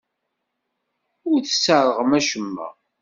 Ur tesserɣem acemma.